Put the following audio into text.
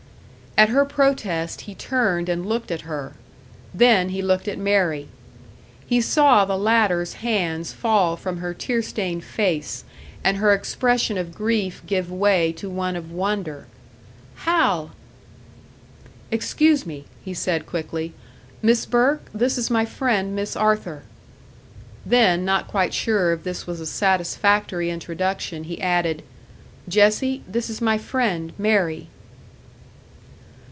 At her protest he turned and looked at her; then he looked at Mary. He saw the latter's hands fall from her tear stained face, and her expression of grief give way to one of wonder. "Hal!" "Excuse me," he said, quickly. "Miss Burke, this is my friend, Miss Arthur." Then, not quite sure if this was a satisfactory introduction, he added, "Jessie, this is my friend, Mary."